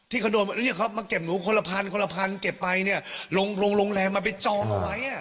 ที่เขามาเก็บหนูคนละพันคนละพันเก็บไปเนี่ยลงโรงแรมมาไปจองเอาไว้